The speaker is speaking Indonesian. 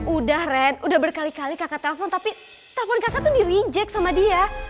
udah ren udah berkali kali kakak telpon tapi telpon kakak tuh di reject sama dia